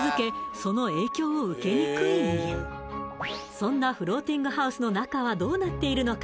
その影響を受けにくい家そんなフローティングハウスの中はどうなっているのか？